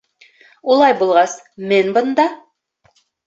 — Улай булғас, мен бында.